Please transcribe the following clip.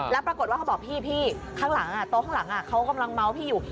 แล้วปรากฏว่าเขาบอกพี่ข้างหลังโต๊ะข้างหลังเขากำลังเมาส์พี่อยู่